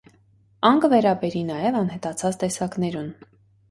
Ան կը վերաբերի նաեւ անհետացած տեսակներուն։